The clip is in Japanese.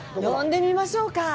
呼んでみましょうか。